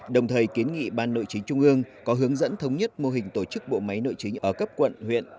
đồng thời kiến nghị ban nội chính trung ương có hướng dẫn thống nhất mô hình tổ chức bộ máy nội chính ở cấp quận huyện